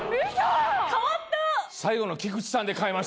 変わった！